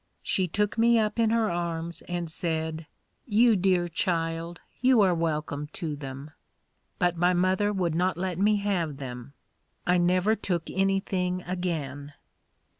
She took me up in her arms and said, "You dear child, you are welcome to them." But my mother would not let me have them. I never took anything again.